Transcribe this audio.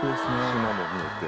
島も見えて。